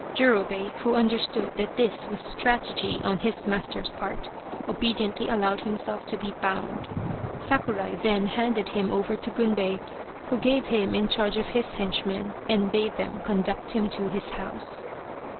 Jurobei, who understood that this was strategy on his master's part, obediently allowed himself to be bound. Sakurai then handed him over to Gunbei, 42 The Quest of the Sword who gave him in charge of his henchmen and bade them conduct him to his house.